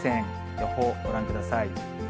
予報、ご覧ください。